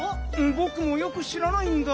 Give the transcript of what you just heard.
ぼくもよくしらないんだ。